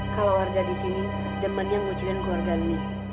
kalo warga disini demennya ngucilin keluarga ini